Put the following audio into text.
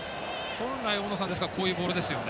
本来こういうボールですよね。